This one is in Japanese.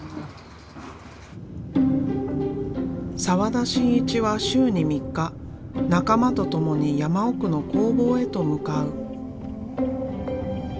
澤田真一は週に３日仲間と共に山奥の工房へと向かう。